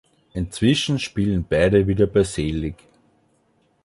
Inzwischen spielen beide wieder bei Selig.